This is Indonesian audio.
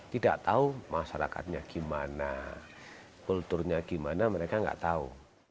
tidak tahu masyarakatnya gimana kulturnya gimana mereka nggak tahu